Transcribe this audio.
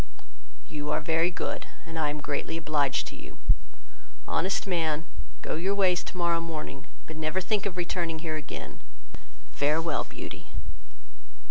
"You are very good, and I am greatly obliged to you; honest man, go your ways tomorrow morning, but never think of returning here again. Farewell, Beauty."